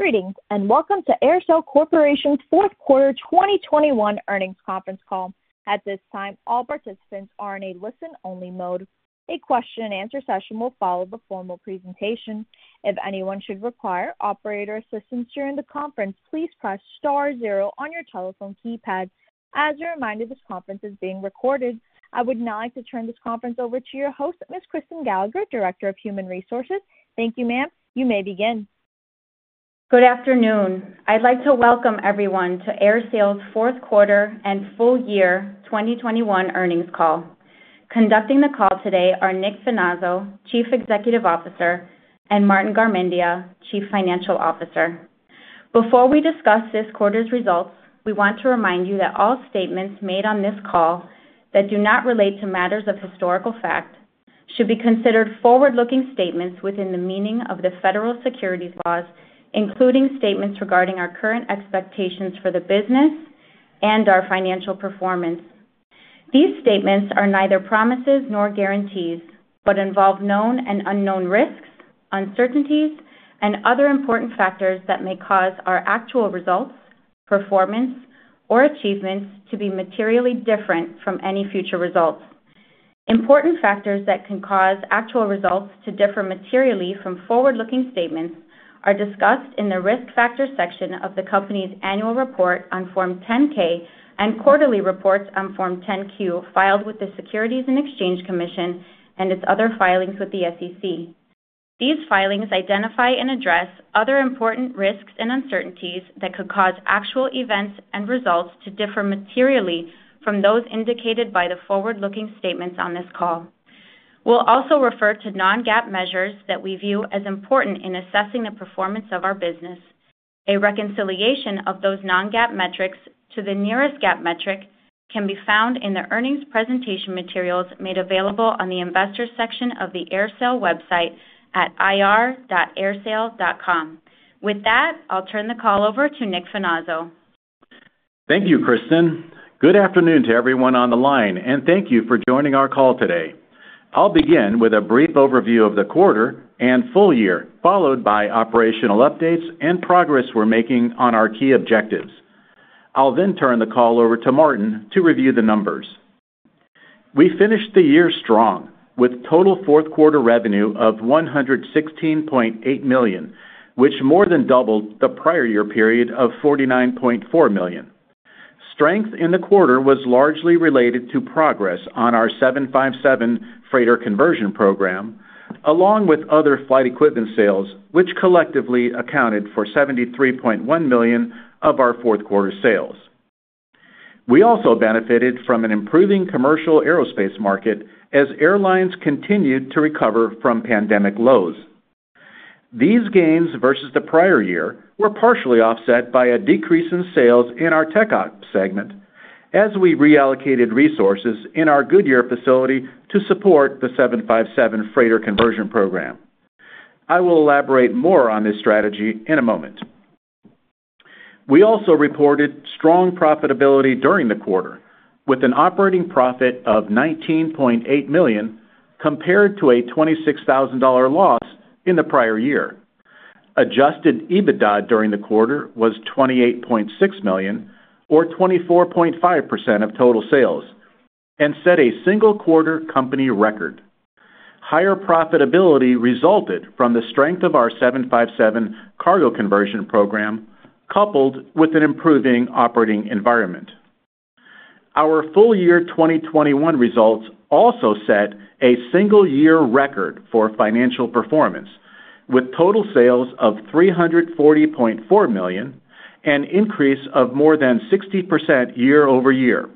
Greetings, and welcome to AerSale Corporation's Fourth Quarter 2021 Earnings Conference Call. At this time, all participants are in a listen-only mode. A question and answer session will follow the formal presentation. If anyone should require operator assistance during the conference, please press star zero on your telephone keypad. As a reminder, this conference is being recorded. I would now like to turn this conference over to your host, Ms. Kristen Gallagher, Director of Human Resources. Thank you, ma'am. You may begin. Good afternoon. I'd like to welcome everyone to AerSale's Fourth Quarter and Full Year 2021 Earnings Call. Conducting the call today are Nick Finazzo, Chief Executive Officer, and Martin Garmendia, Chief Financial Officer. Before we discuss this quarter's results, we want to remind you that all statements made on this call that do not relate to matters of historical fact should be considered forward-looking statements within the meaning of the federal securities laws, including statements regarding our current expectations for the business and our financial performance. These statements are neither promises nor guarantees, but involve known and unknown risks, uncertainties, and other important factors that may cause our actual results, performance, or achievements to be materially different from any future results. Important factors that can cause actual results to differ materially from forward-looking statements are discussed in the Risk Factors section of the company's annual report on Form 10-K and quarterly reports on Form 10-Q filed with the Securities and Exchange Commission and its other filings with the SEC. These filings identify and address other important risks and uncertainties that could cause actual events and results to differ materially from those indicated by the forward-looking statements on this call. We'll also refer to non-GAAP measures that we view as important in assessing the performance of our business. A reconciliation of those non-GAAP metrics to the nearest GAAP metric can be found in the earnings presentation materials made available on the investors section of the AerSale website at ir.aersale.com. With that, I'll turn the call over to Nick Finazzo. Thank you, Kristen. Good afternoon to everyone on the line, and thank you for joining our call today. I'll begin with a brief overview of the quarter and full year, followed by operational updates and progress we're making on our key objectives. I'll then turn the call over to Martin to review the numbers. We finished the year strong with total fourth quarter revenue of $116.8 million, which more than doubled the prior year period of $49.4 million. Strength in the quarter was largely related to progress on our 757 freighter conversion program, along with other flight equipment sales which collectively accounted for $73.1 million of our fourth quarter sales. We also benefited from an improving commercial aerospace market as airlines continued to recover from pandemic lows. These gains versus the prior year were partially offset by a decrease in sales in our TechOps segment as we reallocated resources in our Goodyear facility to support the 757 freighter conversion program. I will elaborate more on this strategy in a moment. We also reported strong profitability during the quarter with an operating profit of $19.8 million compared to a $26,000 loss in the prior year. Adjusted EBITDA during the quarter was $28.6 million or 24.5% of total sales and set a single quarter company record. Higher profitability resulted from the strength of our 757 cargo conversion program coupled with an improving operating environment. Our full year 2021 results also set a single-year record for financial performance with total sales of $340.4 million, an increase of more than 60% year-over-year.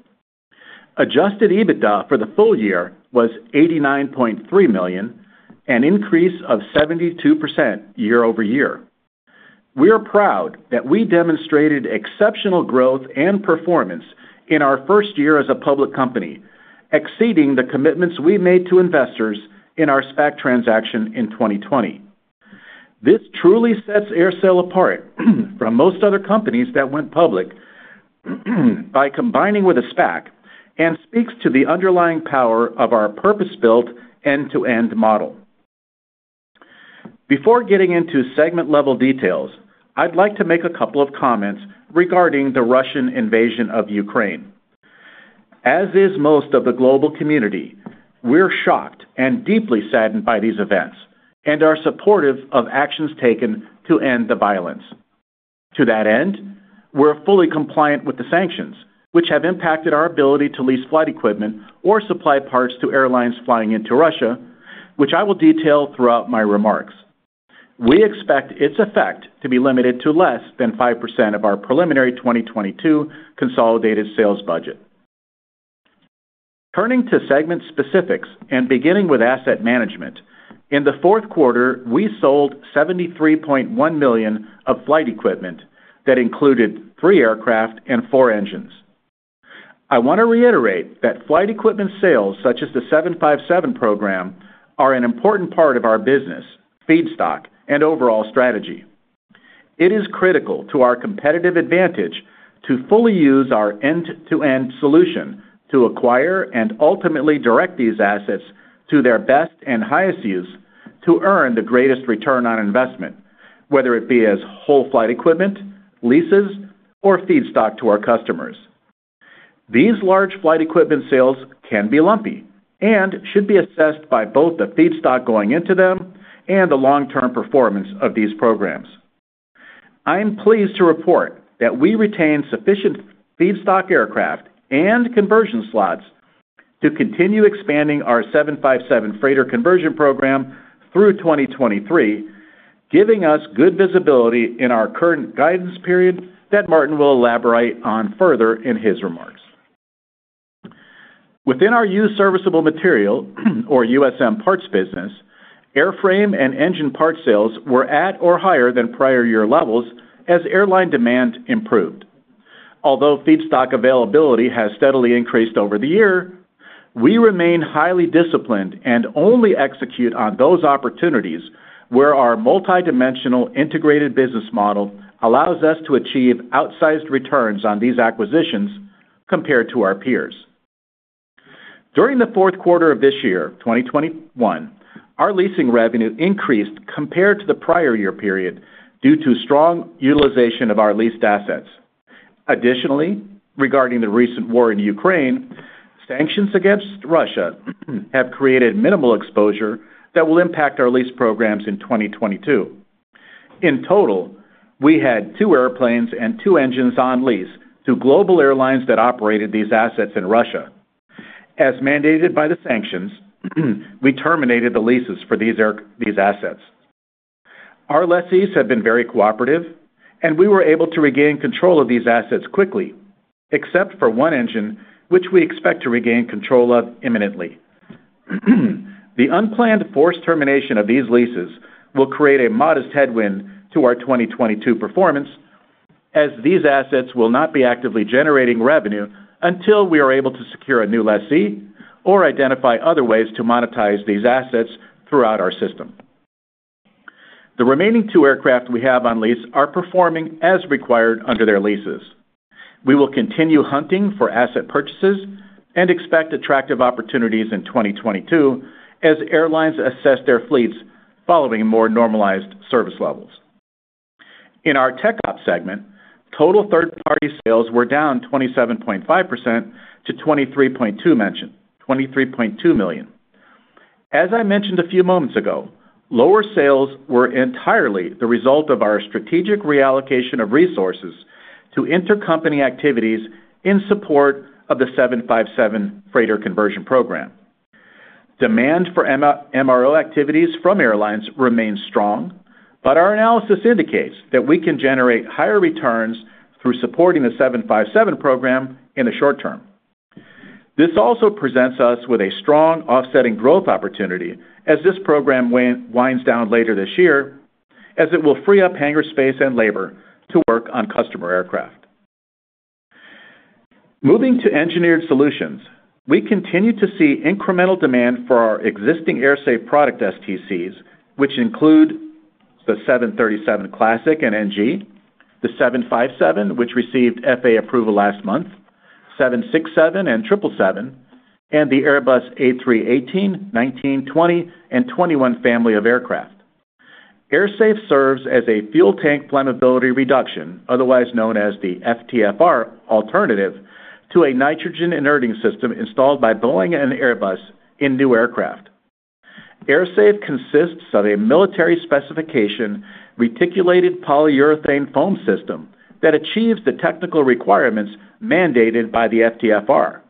Adjusted EBITDA for the full year was $89.3 million, an increase of 72% year-over-year. We are proud that we demonstrated exceptional growth and performance in our first year as a public company, exceeding the commitments we made to investors in our SPAC transaction in 2020. This truly sets AerSale apart from most other companies that went public by combining with a SPAC and speaks to the underlying power of our purpose-built end-to-end model. Before getting into segment-level details, I'd like to make a couple of comments regarding the Russian invasion of Ukraine. As is most of the global community, we're shocked and deeply saddened by these events and are supportive of actions taken to end the violence. To that end, we're fully compliant with the sanctions which have impacted our ability to lease flight equipment or supply parts to airlines flying into Russia, which I will detail throughout my remarks. We expect its effect to be limited to less than 5% of our preliminary 2022 consolidated sales budget. Turning to segment specifics and beginning with Asset Management. In the fourth quarter, we sold $73.1 million of flight equipment that included three aircraft and four engines. I want to reiterate that flight equipment sales, such as the 757 program, are an important part of our business, feedstock, and overall strategy. It is critical to our competitive advantage to fully use our end-to-end solution to acquire and ultimately direct these assets to their best and highest use to earn the greatest return on investment, whether it be as whole flight equipment, leases, or feedstock to our customers. These large flight equipment sales can be lumpy, and should be assessed by both the feedstock going into them and the long-term performance of these programs. I am pleased to report that we retained sufficient feedstock aircraft and conversion slots to continue expanding our 757 freighter conversion program through 2023, giving us good visibility in our current guidance period that Martin will elaborate on further in his remarks. Within our used serviceable material or USM parts business, airframe and engine part sales were at or higher than prior year levels as airline demand improved. Although feedstock availability has steadily increased over the year, we remain highly disciplined and only execute on those opportunities where our multidimensional integrated business model allows us to achieve outsized returns on these acquisitions compared to our peers. During the fourth quarter of this year, 2021, our leasing revenue increased compared to the prior year period due to strong utilization of our leased assets. Additionally, regarding the recent war in Ukraine, sanctions against Russia have created minimal exposure that will impact our lease programs in 2022. In total, we had two airplanes and two engines on lease to global airlines that operated these assets in Russia. As mandated by the sanctions, we terminated the leases for these assets. Our lessees have been very cooperative, and we were able to regain control of these assets quickly, except for one engine, which we expect to regain control of imminently. The unplanned forced termination of these leases will create a modest headwind to our 2022 performance as these assets will not be actively generating revenue until we are able to secure a new lessee or identify other ways to monetize these assets throughout our system. The remaining two aircraft we have on lease are performing as required under their leases. We will continue hunting for asset purchases and expect attractive opportunities in 2022 as airlines assess their fleets following more normalized service levels. In our TechOps segment, total third-party sales were down 27.5% to $23.2 million. As I mentioned a few moments ago, lower sales were entirely the result of our strategic reallocation of resources to intercompany activities in support of the 757 freighter conversion program. Demand for MRO activities from airlines remains strong, but our analysis indicates that we can generate higher returns through supporting the 757 program in the short term. This also presents us with a strong offsetting growth opportunity as this program winds down later this year, as it will free up hangar space and labor to work on customer aircraft. Moving to engineered solutions, we continue to see incremental demand for our existing AerSafe product STCs, which include the 737 Classic and NG, the 757, which received FAA approval last month, 767 and 777, and the Airbus A318, A319, A320, and A321 family of aircraft. AerSafe serves as a Fuel Tank Flammability Reduction, otherwise known as the FTFR alternative, to a nitrogen inerting system installed by Boeing and Airbus in new aircraft. AerSafe consists of a military specification, reticulated polyurethane foam system that achieves the technical requirements mandated by the FTFR.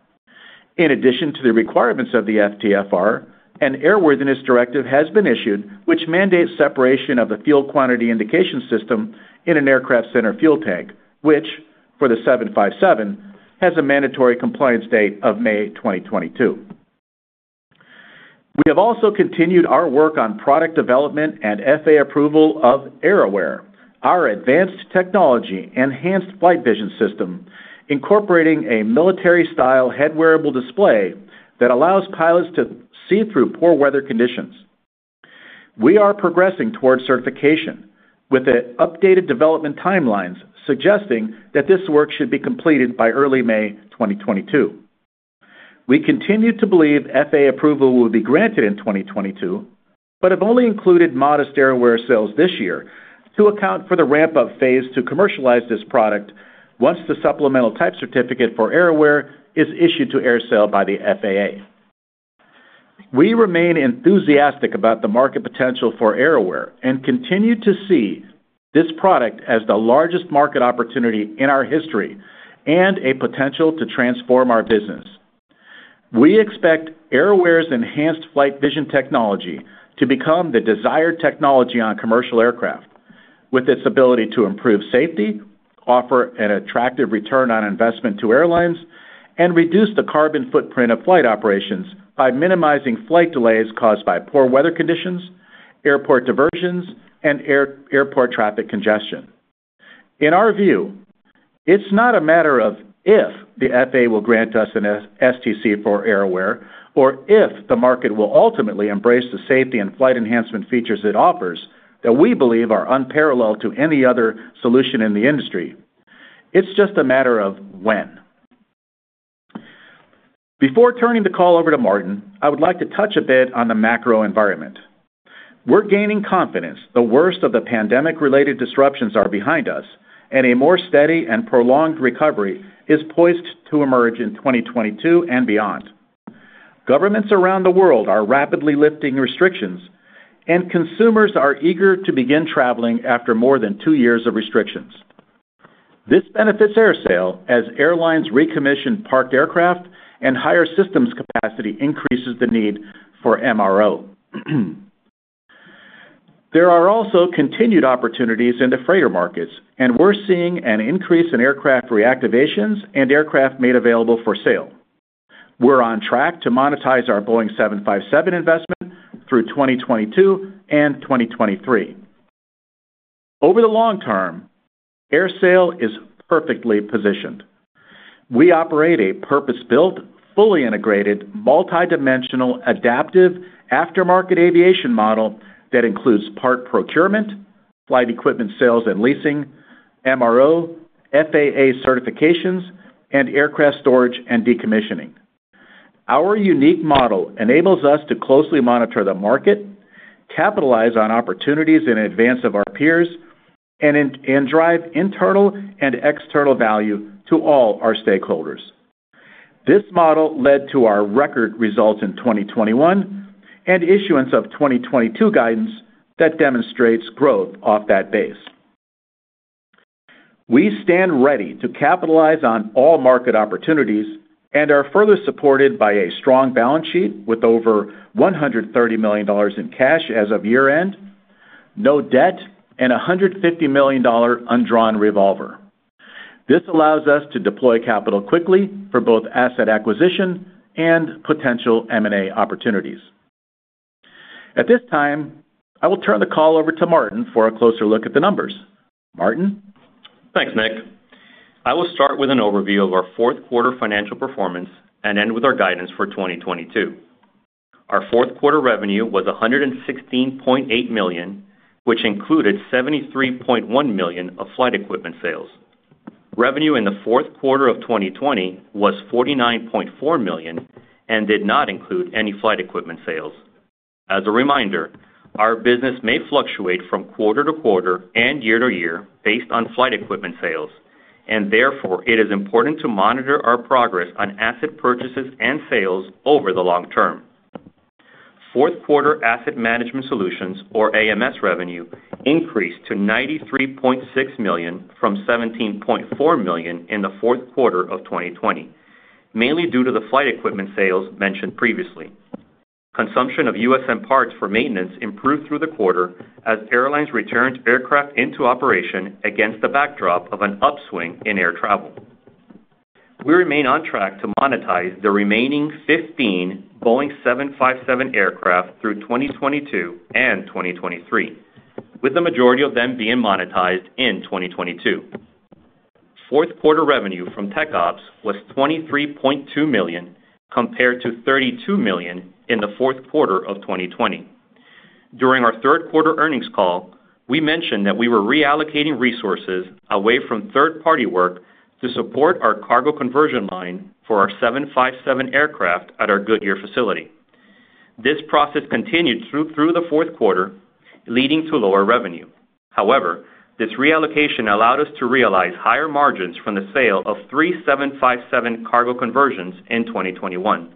In addition to the requirements of the FTFR, an airworthiness directive has been issued, which mandates separation of the Fuel Quantity Indication System in an aircraft center fuel tank, which, for the 757, has a mandatory compliance date of May 2022. We have also continued our work on product development and FAA approval of AerAware, our advanced technology Enhanced Flight Vision System, incorporating a military-style head-wearable display that allows pilots to see through poor weather conditions. We are progressing towards certification with the updated development timelines suggesting that this work should be completed by early May 2022. We continue to believe FAA approval will be granted in 2022, but have only included modest AerAware sales this year to account for the ramp-up phase to commercialize this product once the Supplemental Type Certificate for AerAware is issued to AerSale by the FAA. We remain enthusiastic about the market potential for AerAware and continue to see this product as the largest market opportunity in our history and a potential to transform our business. We expect AerAware's enhanced flight vision technology to become the desired technology on commercial aircraft, with its ability to improve safety, offer an attractive return on investment to airlines, and reduce the carbon footprint of flight operations by minimizing flight delays caused by poor weather conditions, airport diversions, and airport traffic congestion. In our view, it's not a matter of if the FAA will grant us an STC for AerAware, or if the market will ultimately embrace the safety and flight enhancement features it offers that we believe are unparalleled to any other solution in the industry. It's just a matter of when. Before turning the call over to Martin, I would like to touch a bit on the macro environment. We're gaining confidence the worst of the pandemic related disruptions are behind us, and a more steady and prolonged recovery is poised to emerge in 2022 and beyond. Governments around the world are rapidly lifting restrictions, and consumers are eager to begin traveling after more than two years of restrictions. This benefits AerSale as airlines recommission parked aircraft and higher systems capacity increases the need for MRO. There are also continued opportunities in the freighter markets, and we're seeing an increase in aircraft reactivations and aircraft made available for sale. We're on track to monetize our Boeing 757 investment through 2022 and 2023. Over the long term, AerSale is perfectly positioned. We operate a purpose-built, fully integrated, multi-dimensional, adaptive aftermarket aviation model that includes part procurement, flight equipment sales and leasing, MRO, FAA certifications, and aircraft storage and decommissioning. Our unique model enables us to closely monitor the market, capitalize on opportunities in advance of our peers, and drive internal and external value to all our stakeholders. This model led to our record results in 2021 and issuance of 2022 guidance that demonstrates growth off that base. We stand ready to capitalize on all market opportunities and are further supported by a strong balance sheet with over $130 million in cash as of year-end, no debt, and a $150 million undrawn revolver. This allows us to deploy capital quickly for both asset acquisition and potential M&A opportunities. At this time, I will turn the call over to Martin for a closer look at the numbers. Martin. Thanks, Nick. I will start with an overview of our fourth quarter financial performance and end with our guidance for 2022. Our fourth quarter revenue was $116.8 million, which included $73.1 million of flight equipment sales. Revenue in the fourth quarter of 2020 was $49.4 million and did not include any flight equipment sales. As a reminder, our business may fluctuate from quarter to quarter and year to year based on flight equipment sales, and therefore, it is important to monitor our progress on asset purchases and sales over the long term. Fourth quarter Asset Management Solutions, or AMS revenue, increased to $93.6 million from $17.4 million in the fourth quarter of 2020, mainly due to the flight equipment sales mentioned previously. Consumption of USM parts for maintenance improved through the quarter as airlines returned aircraft into operation against the backdrop of an upswing in air travel. We remain on track to monetize the remaining 15 Boeing 757 aircraft through 2022 and 2023, with the majority of them being monetized in 2022. Fourth quarter revenue from TechOps was $23.2 million compared to $32 million in the fourth quarter of 2020. During our third quarter earnings call, we mentioned that we were reallocating resources away from third-party work to support our cargo conversion line for our 757 aircraft at our Goodyear facility. This process continued through the fourth quarter, leading to lower revenue. However, this reallocation allowed us to realize higher margins from the sale of three 757 cargo conversions in 2021.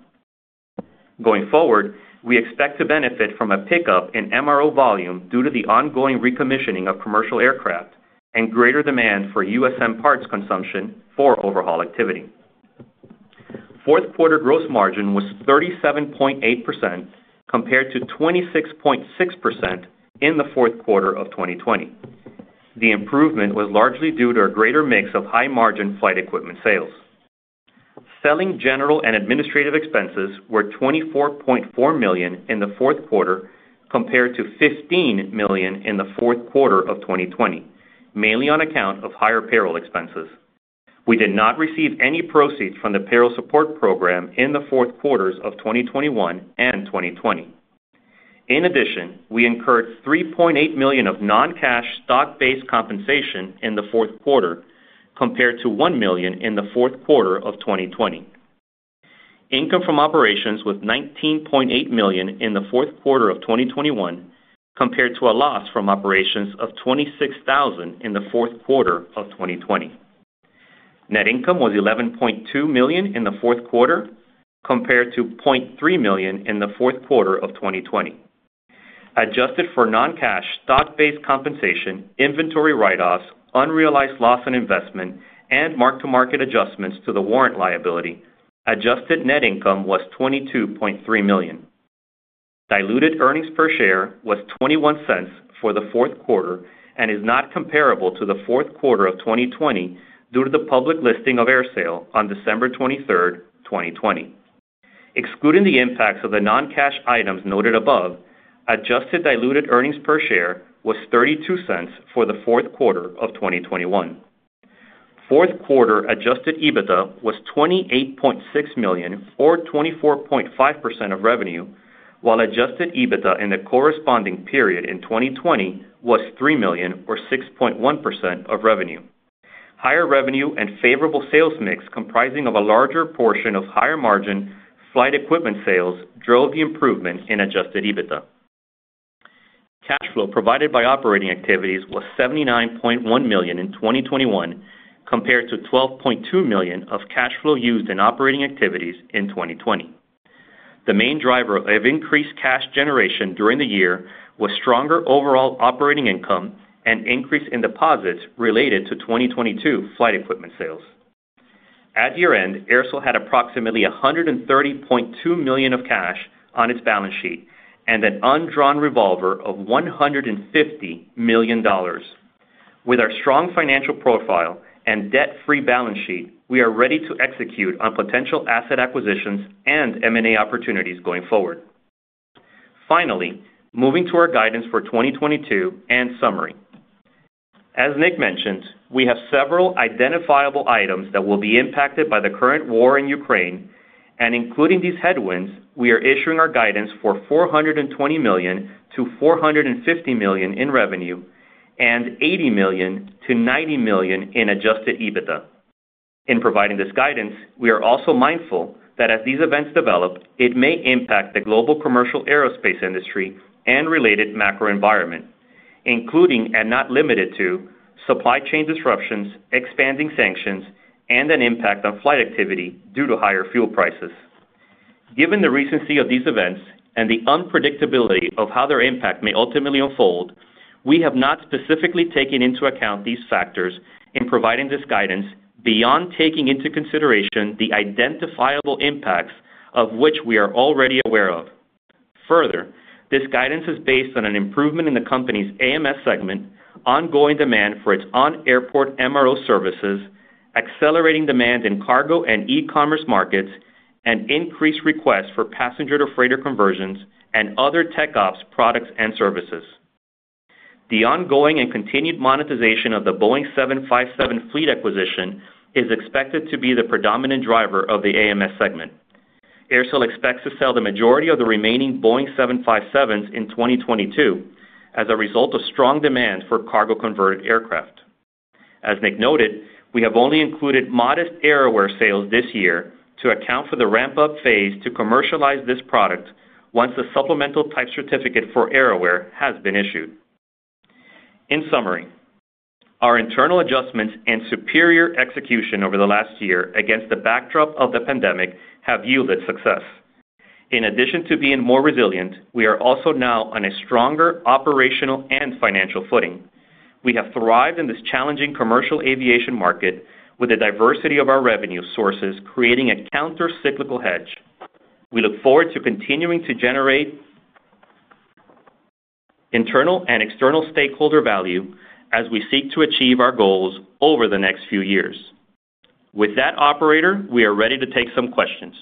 Going forward, we expect to benefit from a pickup in MRO volume due to the ongoing recommissioning of commercial aircraft and greater demand for USM parts consumption for overhaul activity. Fourth quarter gross margin was 37.8% compared to 26.6% in the fourth quarter of 2020. The improvement was largely due to a greater mix of high margin flight equipment sales. Selling general and administrative expenses were $24.4 million in the fourth quarter compared to $15 million in the fourth quarter of 2020, mainly on account of higher payroll expenses. We did not receive any proceeds from the Payroll Support Program in the fourth quarters of 2021 and 2020. In addition, we incurred $3.8 million of non-cash stock-based compensation in the fourth quarter compared to $1 million in the fourth quarter of 2020. Income from operations was $19.8 million in the fourth quarter of 2021 compared to a loss from operations of $26 thousand in the fourth quarter of 2020. Net income was $11.2 million in the fourth quarter compared to $0.3 million in the fourth quarter of 2020. Adjusted for non-cash stock-based compensation, inventory write-offs, unrealized loss on investment, and mark-to-market adjustments to the warrant liability, adjusted net income was $22.3 million. Diluted earnings per share was $0.21 for the fourth quarter and is not comparable to the fourth quarter of 2020 due to the public listing of AerSale on December 23, 2020. Excluding the impacts of the non-cash items noted above, adjusted diluted earnings per share was $0.32 for the fourth quarter of 2021. Fourth quarter Adjusted EBITDA was $28.6 million or 24.5% of revenue, while Adjusted EBITDA in the corresponding period in 2020 was $3 million or 6.1% of revenue. Higher revenue and favorable sales mix comprising of a larger portion of higher margin flight equipment sales drove the improvement in Adjusted EBITDA. Cash flow provided by operating activities was $79.1 million in 2021 compared to $12.2 million of cash flow used in operating activities in 2020. The main driver of increased cash generation during the year was stronger overall operating income and increase in deposits related to 2022 flight equipment sales. At year-end, AerSale had approximately $130.2 million of cash on its balance sheet and an undrawn revolver of $150 million. With our strong financial profile and debt-free balance sheet, we are ready to execute on potential asset acquisitions and M&A opportunities going forward. Finally, moving to our guidance for 2022 and summary. As Nick mentioned, we have several identifiable items that will be impacted by the current war in Ukraine. Including these headwinds, we are issuing our guidance for $420 million-$450 million in revenue and $80 million-$90 million in Adjusted EBITDA. In providing this guidance, we are also mindful that as these events develop, it may impact the global commercial aerospace industry and related macro environment, including and not limited to supply chain disruptions, expanding sanctions, and an impact on flight activity due to higher fuel prices. Given the recency of these events and the unpredictability of how their impact may ultimately unfold, we have not specifically taken into account these factors in providing this guidance beyond taking into consideration the identifiable impacts of which we are already aware of. Further, this guidance is based on an improvement in the company's AMS segment, ongoing demand for its on-airport MRO services, accelerating demand in cargo and e-commerce markets, and increased requests for passenger-to-freighter conversions and other TechOps products and services. The ongoing and continued monetization of the Boeing 757 fleet acquisition is expected to be the predominant driver of the AMS segment. AerSale expects to sell the majority of the remaining Boeing 757s in 2022 as a result of strong demand for cargo-converted aircraft. As Nick noted, we have only included modest AerAware sales this year to account for the ramp-up phase to commercialize this product once the Supplemental Type Certificate for AerAware has been issued. In summary, our internal adjustments and superior execution over the last year against the backdrop of the pandemic have yielded success. In addition to being more resilient, we are also now on a stronger operational and financial footing. We have thrived in this challenging commercial aviation market with the diversity of our revenue sources, creating a counter-cyclical hedge. We look forward to continuing to generate internal and external stakeholder value as we seek to achieve our goals over the next few years. With that, operator, we are ready to take some questions.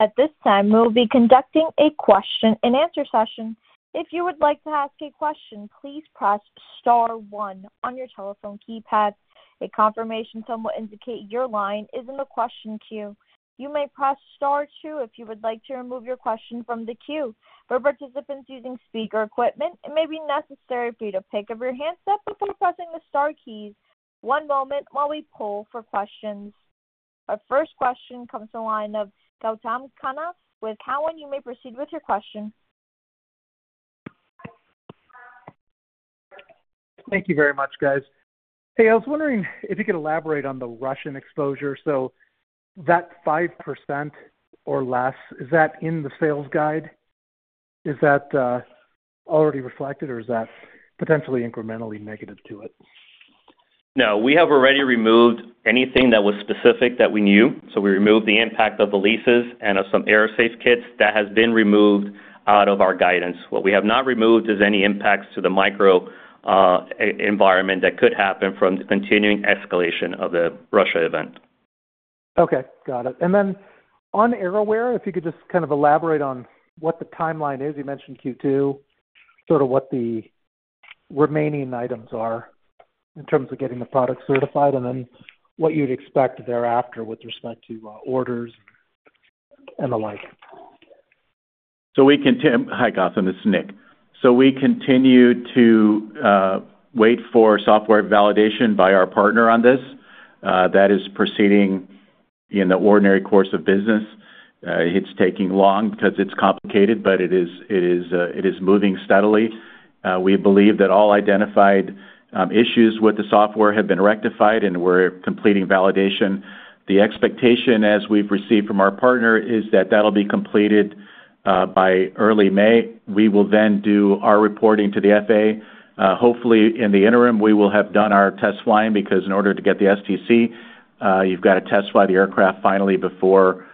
At this time, we'll be conducting a question and answer session. If you would like to ask a question, please press star one on your telephone keypad. A confirmation tone will indicate your line is in the question queue. You may press star two if you would like to remove your question from the queue. For participants using speaker equipment, it may be necessary for you to pick up your handset before pressing the star keys. One moment while we pull for questions. Our first question comes to the line of Gautam Khanna with Cowen. You may proceed with your question. Thank you very much, guys. Hey, I was wondering if you could elaborate on the Russian exposure. That 5% or less, is that in the sales guide? Is that already reflected, or is that potentially incrementally negative to it? No, we have already removed anything that was specific that we knew. We removed the impact of the leases and of some AerSafe kits that has been removed out of our guidance. What we have not removed is any impacts to the macro environment that could happen from the continuing escalation of the Russia event. Okay, got it. Then on AerAware, if you could just kind of elaborate on what the timeline is. You mentioned Q2, sort of what the remaining items are in terms of getting the product certified and then what you'd expect thereafter with respect to orders and the like. Hi, Gautam, this is Nick. We continue to wait for software validation by our partner on this, that is proceeding in the ordinary course of business. It's taking longer because it's complicated, but it is moving steadily. We believe that all identified issues with the software have been rectified, and we're completing validation. The expectation as we've received from our partner is that that'll be completed by early May. We will then do our reporting to the FAA. Hopefully, in the interim, we will have done our test flying because in order to get the STC, you've got to test fly the aircraft finally before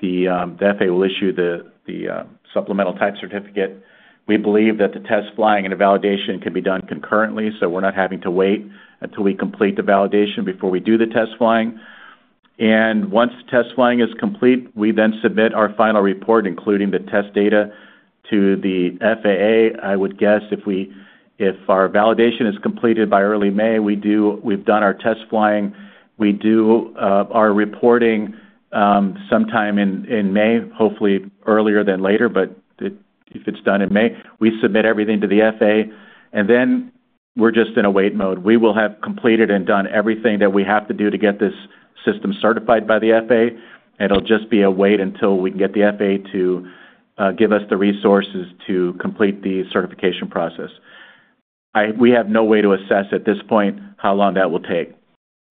the FAA will issue the supplemental type certificate. We believe that the test flying and the validation can be done concurrently, so we're not having to wait until we complete the validation before we do the test flying. Once test flying is complete, we then submit our final report, including the test data to the FAA. I would guess if our validation is completed by early May, we've done our test flying. We do our reporting sometime in May, hopefully earlier than later, but if it's done in May. We submit everything to the FAA, and then we're just in a wait mode. We will have completed and done everything that we have to do to get this system certified by the FAA. It'll just be a wait until we can get the FAA to give us the resources to complete the certification process. We have no way to assess at this point how long that will take.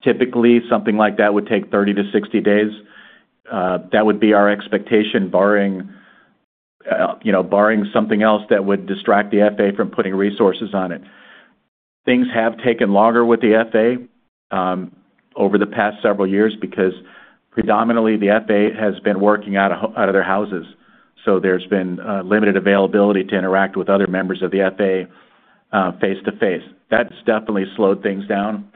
Typically, something like that would take 30 to 60 days. That would be our expectation, barring, you know, barring something else that would distract the FAA from putting resources on it. Things have taken longer with the FAA over the past several years because predominantly the FAA has been working out of their houses. There's been limited availability to interact with other members of the FAA face to face. That's definitely slowed things down.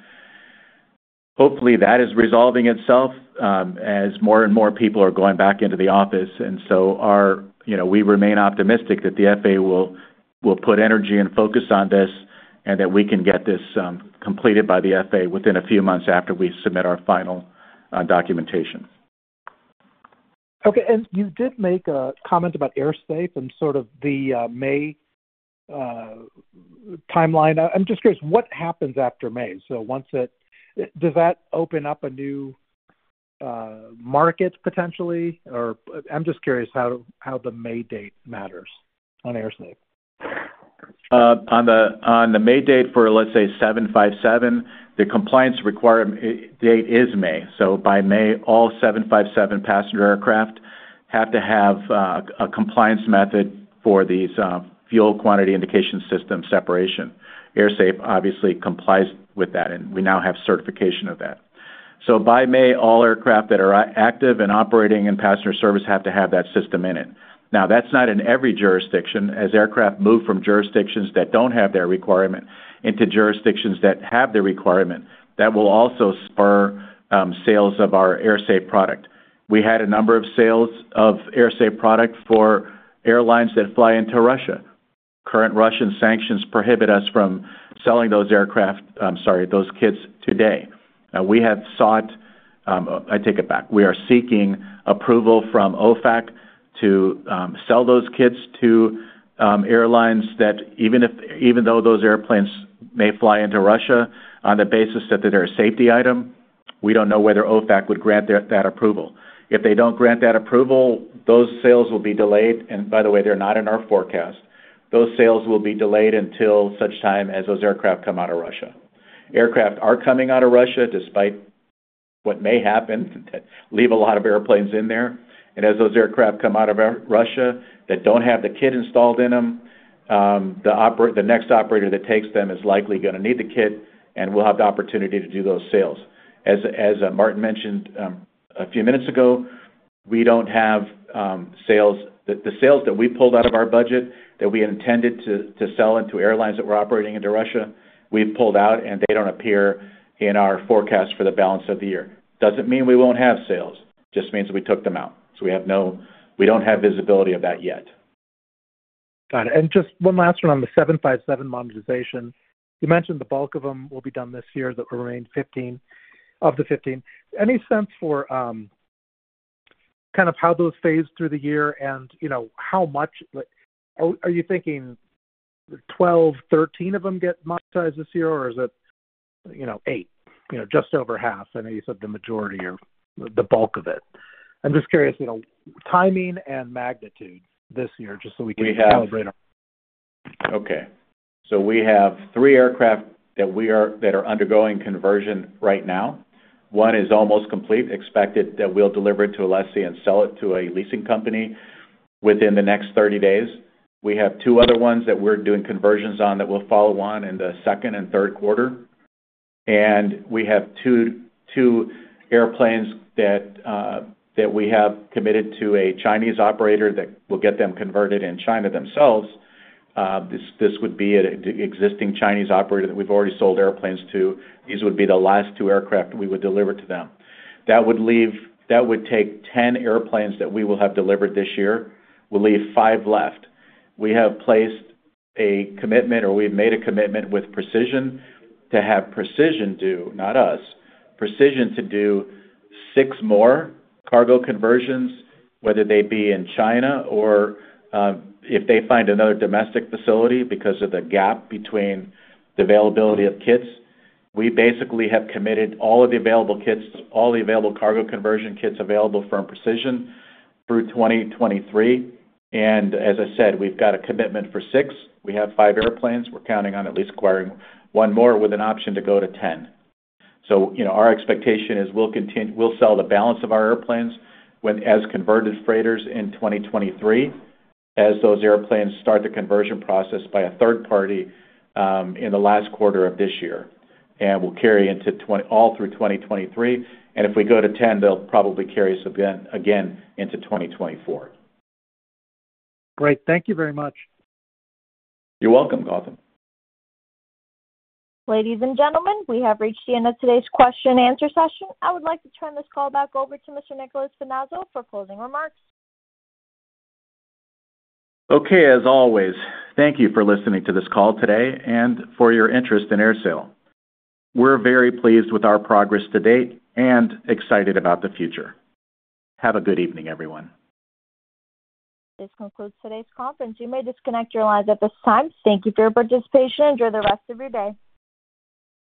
Hopefully, that is resolving itself as more and more people are going back into the office, and so our. You know, we remain optimistic that the FAA will put energy and focus on this and that we can get this completed by the FAA within a few months after we submit our final documentation. Okay, you did make a comment about AerSafe and sort of the May timeline. I'm just curious, what happens after May? Once it does that open up a new market potentially? I'm just curious how the May date matters on AerSafe. On the May date for, let's say, 757, the compliance requirement D-date is May. By May, all 757 passenger aircraft have to have a compliance method for these fuel quantity indication system separation. AerSafe obviously complies with that, and we now have certification of that. By May, all aircraft that are active and operating in passenger service have to have that system in it. That's not in every jurisdiction. As aircraft move from jurisdictions that don't have that requirement into jurisdictions that have the requirement, that will also spur sales of our AerSafe product. We had a number of sales of AerSafe product for airlines that fly into Russia. Current Russian sanctions prohibit us from selling those aircraft, I'm sorry, those kits today. Now we have sought. I take it back. We are seeking approval from OFAC to sell those kits to airlines that even though those airplanes may fly into Russia on the basis that they're a safety item, we don't know whether OFAC would grant that approval. If they don't grant that approval, those sales will be delayed, and by the way, they're not in our forecast. Those sales will be delayed until such time as those aircraft come out of Russia. Aircraft are coming out of Russia despite what may happen to leave a lot of airplanes in there. As those aircraft come out of Russia that don't have the kit installed in them, the next operator that takes them is likely gonna need the kit, and we'll have the opportunity to do those sales. As Martin mentioned a few minutes ago, we don't have sales... The sales that we pulled out of our budget that we intended to sell into airlines that were operating into Russia, we've pulled out, and they don't appear in our forecast for the balance of the year. Doesn't mean we won't have sales, just means we took them out. We don't have visibility of that yet. Got it. Just one last one on the 757 monetization. You mentioned the bulk of them will be done this year, the remaining 15 of the 15. Any sense for kind of how those phase through the year and, you know, how much? Like are you thinking 12, 13 of them get monetized this year? Or is it, you know, eight? You know, just over half. I know you said the majority or the bulk of it. I'm just curious, you know, timing and magnitude this year, just so we can- We have -calibrate our. Okay. We have three aircraft that are undergoing conversion right now. One is almost complete, expected that we'll deliver it to a lessee and sell it to a leasing company within the next 30 days. We have two other ones that we're doing conversions on that will follow on in the second and third quarter. We have two airplanes that we have committed to a Chinese operator that will get them converted in China themselves. This would be an existing Chinese operator that we've already sold airplanes to. These would be the last two aircraft we would deliver to them. That would take 10 airplanes that we will have delivered this year. We'll leave five left. We have placed a commitment, or we have made a commitment with Precision to have Precision do, not us, Precision to do six more cargo conversions, whether they be in China or, if they find another domestic facility because of the gap between the availability of kits. We basically have committed all of the available kits, all the available cargo conversion kits available from Precision through 2023. As I said, we've got a commitment for six. We have five airplanes. We're counting on at least acquiring one more with an option to go to 10. You know, our expectation is we'll sell the balance of our airplanes as converted freighters in 2023, as those airplanes start the conversion process by a third party in the last quarter of this year. We'll carry into all through 2023, and if we go to 10, they'll probably carry us again into 2024. Great. Thank you very much. You're welcome, Gautam. Ladies and gentlemen, we have reached the end of today's question and answer session. I would like to turn this call back over to Mr. Nick Finazzo for closing remarks. Okay. As always, thank you for listening to this call today and for your interest in AerSale. We're very pleased with our progress to date and excited about the future. Have a good evening, everyone. This concludes today's conference. You may disconnect your lines at this time. Thank you for your participation. Enjoy the rest of your day.